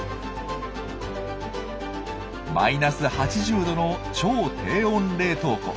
マイナス８０℃の超低温冷凍庫。